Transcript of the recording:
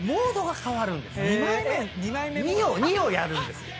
二をやるんですよ。